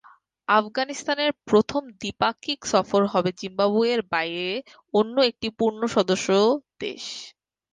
আফগানিস্তানের প্রথম দ্বিপাক্ষিক সফর হবে জিম্বাবুয়ের বাইরে অন্য একটি পূর্ণ সদস্য দেশ।